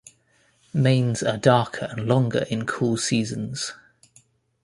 Manes are darker and longer in cool seasons.